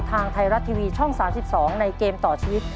ทางไทยรัฐทีวีช่อง๓๒ในเกมต่อชีวิต